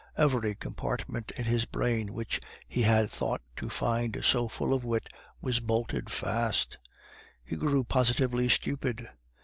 Every compartment in his brain which he had thought to find so full of wit was bolted fast; he grew positively stupid.